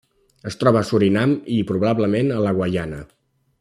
Es troba a Surinam i, probablement, a la Guaiana.